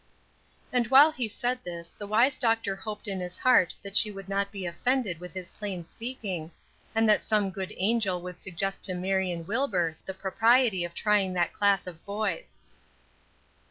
And while he said this, the wise doctor hoped in his heart that she would not be offended with his plain speaking, and that some good angel would suggest to Marion Wilbur the propriety of trying that class of boys.